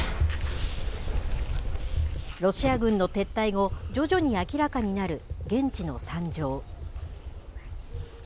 ロシア軍の撤退後、徐々に明らかになる現地の惨状。